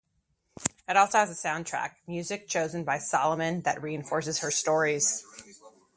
It also has a 'soundtrack' - music chosen by Salomon that reinforces her stories.